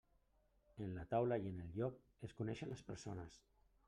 En la taula i en el joc es coneixen les persones.